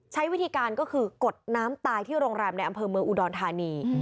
ใช้วิธีการก็คือกดน้ำตายที่โรงแรมในอำเภอเมืองอุดรธานี